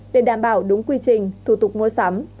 để đảm bảo đúng quy trình thủ tục mua sắm